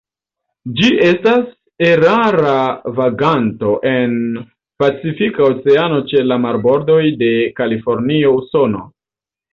Ĝi estas rara vaganto en Pacifika Oceano ĉe la marbordoj de Kalifornio, Usono.